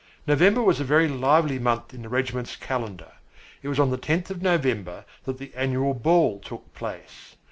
November was a very lively month in the regiment's calendar. It was on the tenth of November that the annual ball took place.